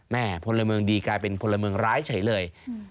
พลเมืองดีกลายเป็นพลเมืองร้ายเฉยเลย